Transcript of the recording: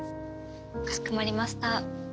かしこまりました。